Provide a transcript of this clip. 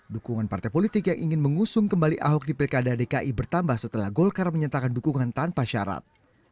dukungan partai politik yang ingin mengusung kembali ahok di pilkada dki bertambah setelah golkar menyatakan dukungan tanpa syarat